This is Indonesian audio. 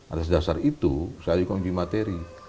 atas dasar itu saya juga uji materi